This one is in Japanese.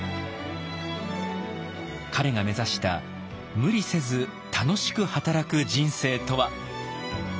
彼が目指した無理せず楽しく働く人生とは？